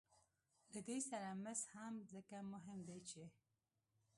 له دې سره مس هم ځکه مهم دي چې